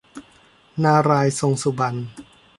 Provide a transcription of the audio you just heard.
นารายณ์ทรงสุบรรณ